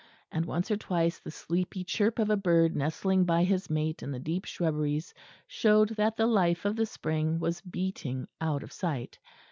And once or twice the sleepy chirp of a bird nestling by his mate in the deep shrubberies showed that the life of the spring was beating out of sight.